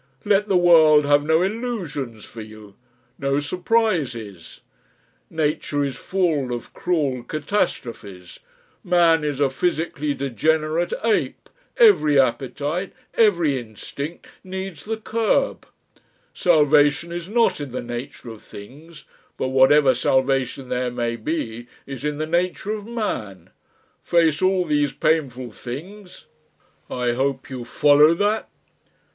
Let the world have no illusions for you, no surprises. Nature is full of cruel catastrophes, man is a physically degenerate ape, every appetite, every instinct, needs the curb; salvation is not in the nature of things, but whatever salvation there may be is in the nature of man; face all these painful things. I hope you follow that?"